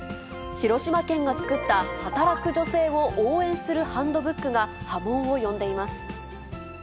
広島県が作った、働く女性を応援するハンドブックが波紋を呼んでいます。